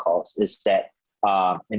hal utama yang berbeda adalah